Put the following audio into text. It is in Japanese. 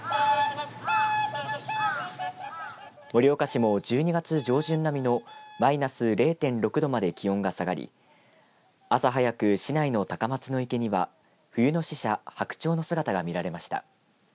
盛岡市も１２月上旬並みのマイナス０．６度まで気温が下がり朝早く市内の高松の池には冬の使者白鳥の姿が見られました。